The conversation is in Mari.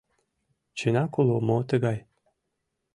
Чынак уло мо тыгай?»